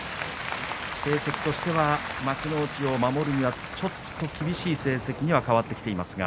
成績としては幕内を守るにはちょっと厳しい成績には変わってきています。